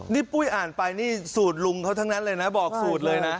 นี่ปุ้ยอ่านไปนี่สูตรลุงเขาทั้งนั้นเลยนะบอกสูตรเลยนะ